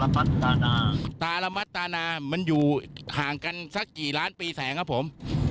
ผมมันอยู่ห่างกันสักกี่ล้านปีแสงครับผม